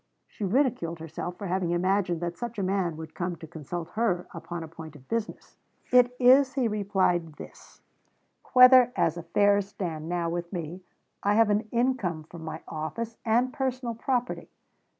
She ridiculed herself for having imagined that such a man would come to consult her upon a point of business. 'It is,' he replied, 'this: whether, as affairs now stand with me I have an income from my office, and personal property...